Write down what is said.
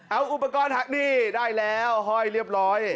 เอาอุปกรณ์ฮะนี่ได้แล้วห้อยเรียบร้อย